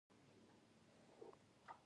ایا زه باید ماشوم ته پوډري شیدې ورکړم؟